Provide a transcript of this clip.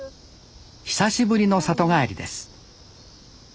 久しぶりの里帰りです